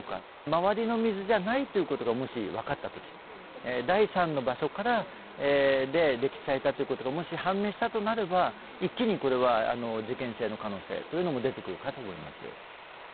周りの水じゃないということがもし分かったとき、第３の場所からで、溺死されたということがもし判明されたとするならば、一気にこれは、事件性の可能性というのも出てくるかと思います。